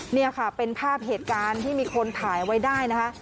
นี่ค่ะเป็นภาพเหตุการณ์ที่มีคนถ่ายไว้ได้นะคะ